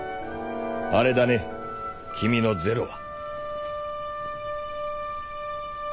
あれだね君のゼロは。